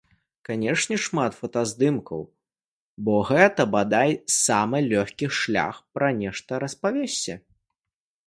Канечне, шмат фотаздымкаў, бо гэта, бадай, самы лёгкі шлях пра нешта распавесці.